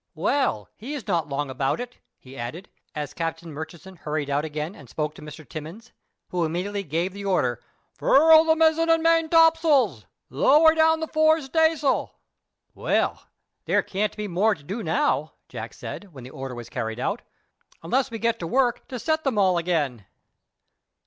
Well, he is not long about it," he added, as Captain Murchison hurried out again and spoke to Mr. Timmins, who immediately gave the order, "Furl mizzen and main topsails! Lower down the fore stay sail!" "Well, there can't be more to do now," Jack said, when the order was carried out, "unless we get to work to set them all again."